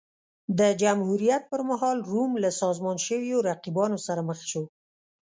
د جمهوریت پرمهال روم له سازمان شویو رقیبانو سره مخ شو